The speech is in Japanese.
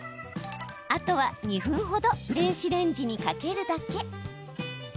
あとは２分ほど電子レンジにかけるだけ。